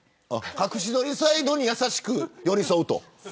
隠し撮りサイドに優しく寄り添う。